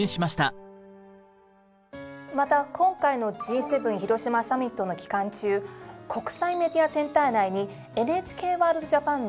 また今回のＧ７広島サミットの期間中国際メディアセンター内に「ＮＨＫワールドＪＡＰＡＮ」のブースを設け